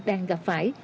đang gặp phải